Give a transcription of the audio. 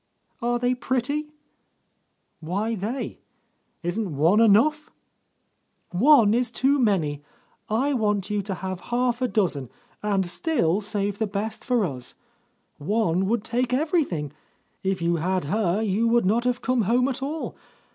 "Are they pretty?" "Why they? Isn't one enough?" "One is too many. I want you to have half a dozen, — and still save the best for us! One —•! TO— A Lost Lady would take everything. If you had her, you would not have come home at all.